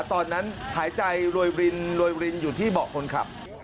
ตอนนั้นหายใจรวยรินโรยรินอยู่ที่เบาะคนขับ